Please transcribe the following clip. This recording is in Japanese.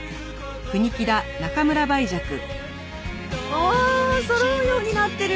おおそろうようになってる。